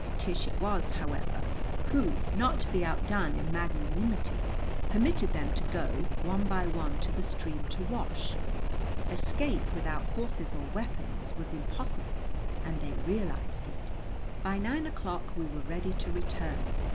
Tish it was, however, who, not to be outdone in magnanimity, permitted them to go, one by one, to the stream to wash. Escape, without horses or weapons, was impossible, and they realized it. By nine o'clock we were ready to return.